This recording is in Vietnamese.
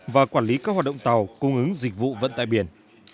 và quản lý các hoạt động tàu cung ứng dịch vụ vẫn tại biển